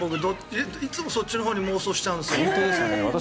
僕いつもそっちのほうに妄想しちゃうんですよね。